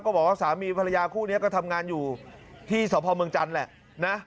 บอกว่าสามีภรรยาคู่นี้ก็ทำงานอยู่ที่สพเมืองจันทร์แหละนะ